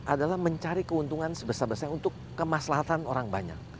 adalah mencari keuntungan sebesar besarnya untuk kemaslahan orang banyak